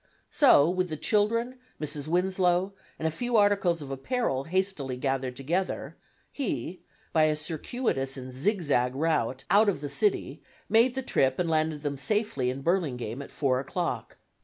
So, with the children, Mrs. Winslow, and a few articles of apparel hastily gathered together, he, by a circuitous and zigzag route, out of the city, made the trip and landed them safely in Burlingame at 4 o'clock.